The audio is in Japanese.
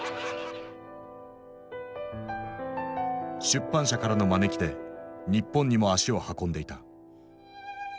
出版社からの招きで日本にも足を運んでいた。